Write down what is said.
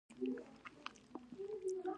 تر څو ډاکټر په خپله خوښه راشي، په دې اړه پوهېږم.